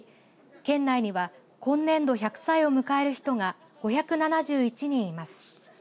県内には今年度１００歳を迎える人が５７１人います。